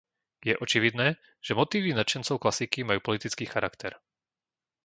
Je očividné, že motívy nadšencov klasiky majú politický charakter.